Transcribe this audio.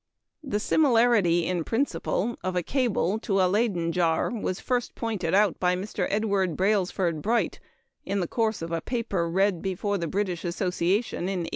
The similarity, in principle, of a cable to a Leyden jar was first pointed out by Mr. Edward Brailsford Bright in the course of a paper read before the British Association in 1854.